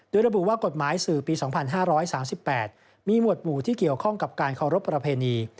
โดยระบุว่ากฎหมายสื่อปี๒๕๓๘มีหมวดหมู่ที่เกี่ยวข้องกับการเคารพประเพณี